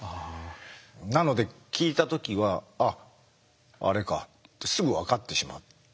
なので聞いた時は「あっあれか」ってすぐ分かってしまったですよね。